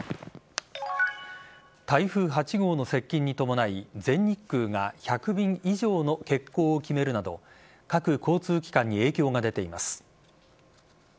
台風８号の接近に伴い全日空が１００便以上の欠航を決めるなど各交通機関に影響が出ています。